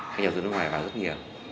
các nhà đầu tư nước ngoại vào rất nhiều